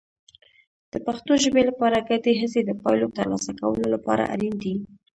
د پښتو ژبې لپاره ګډې هڅې د پایلو ترلاسه کولو لپاره اړین دي.